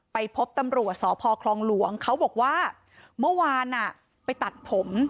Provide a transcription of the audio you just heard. ไปพบตำรวจสพคลองหลวงเขาบอกว่าเมื่อวานไปตัดผม